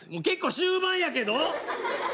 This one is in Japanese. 結構終盤やけど！？